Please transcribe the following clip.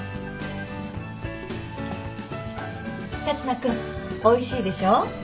辰馬くんおいしいでしょ？